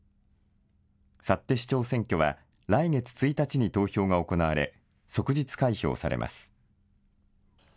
幸手市長選挙は来月１日に投票が行われ、即日開票されます。